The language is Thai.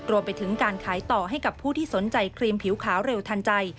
รวมไปถึงการขายต่อให้กับผู้ที่สนใจครีมผิวขาวเร็วทันใจ